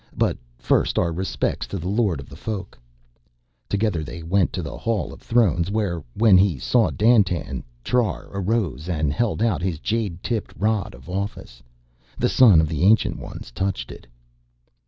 But first, our respects to the Lord of the Folk." Together they went to the Hall of Thrones where, when he saw Dandtan, Trar arose and held out his jade tipped rod of office. The son of the Ancient Ones touched it.